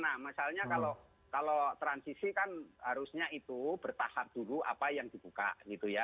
nah misalnya kalau transisi kan harusnya itu bertahap dulu apa yang dibuka gitu ya